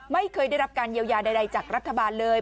ไม่เคยได้รับการเยียวยาใดจากรัฐบาลเลย